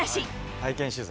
体験取材。